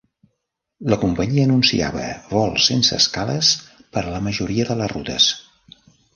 La companyia anunciava vols sense escales per a la majoria de les rutes.